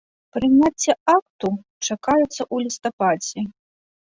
Прыняцце акту чакаецца ў лістападзе.